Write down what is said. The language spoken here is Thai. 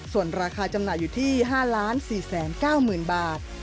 ส่วนราคาจำหน่ายอยู่ที่๕๔๙๐๐๐บาท